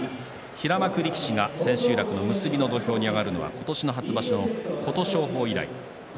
平幕力士が千秋楽の結びの土俵に上がるのは、今年の初場所の琴勝峰以来です。